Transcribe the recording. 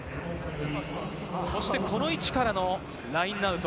そしてこの位置からのラインアウト。